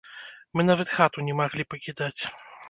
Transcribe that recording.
Мы нават хату не маглі пакідаць.